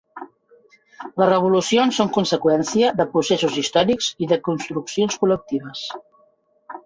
Les revolucions són conseqüència de processos històrics i de construccions col·lectives.